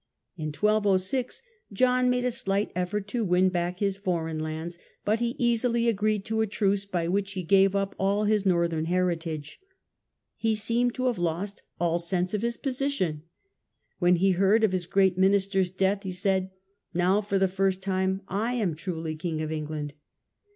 In 1206 John made a slight effort to win back his foreign lands; , but he easily agreed to a truce by which he gave up all his northern heritage. He seemed to have lost all sense of his position. When he heard of his great minister's death, he said, " Now for the first time I am truly king of England".